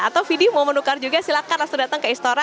atau fidi mau menukar juga silahkan langsung datang ke istora